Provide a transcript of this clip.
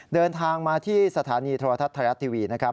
เดินทางมาที่สถานีโทรทัศน์ไทยรัฐทีวีนะครับ